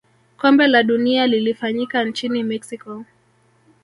kombe la dunia lilifanyika nchini mexico